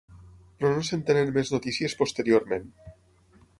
Però no se'n tenen més notícies posteriorment.